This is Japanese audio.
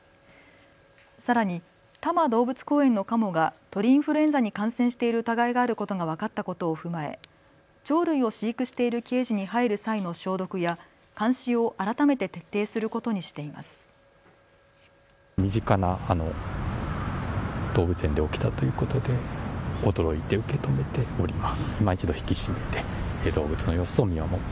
さらに多摩動物公園のカモが鳥インフルエンザに感染している疑いがあることが分かったことを踏まえ、鳥類を飼育しているケージに入る際の消毒や監視を改めて徹底することにしています。